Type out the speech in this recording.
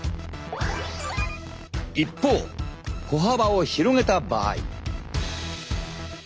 一方歩幅を広げた場合。